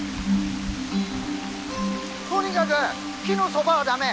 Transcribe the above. とにかぐ木のそばは駄目。